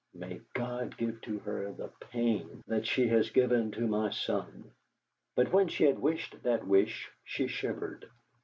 May God give to her the pain that she has given to my son!' But when she had wished that wish she shivered.